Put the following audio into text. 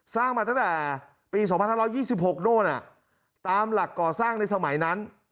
สร้างมาตั้งแต่ปี๒๕๒๖โน่นตามหลักก่อสร้างในสมัยนั้น